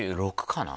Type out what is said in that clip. ２６かな？